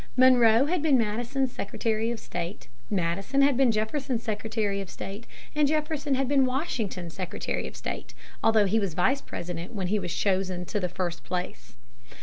Monroe had been Madison's Secretary of State; Madison had been Jefferson's Secretary of State; and Jefferson had been Washington's Secretary of State, although he was Vice President when he was chosen to the first place.